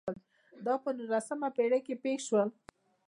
دا په نولسمه پېړۍ کې پېښ شول.